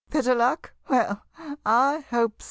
Better luck ?— well, I hope so!